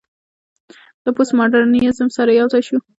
له پوسټ ماډرنيزم سره يوځاى شو